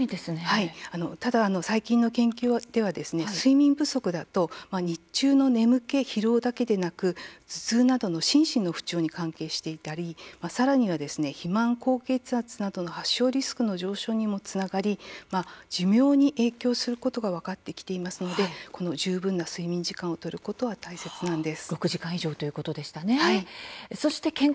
最近の研究では睡眠不足だと日中の眠気、疲労だけでなく頭痛などの心身の不調に関係していたりさらに肥満、高血圧などの発症リスクの上昇にもつながり寿命に影響することが分かってきていますので十分な睡眠時間を取ることは大切なんです。